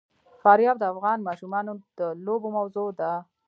فاریاب د افغان ماشومانو د لوبو موضوع ده.